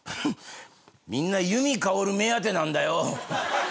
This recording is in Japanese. みんな由美かおる目当てなんだよ！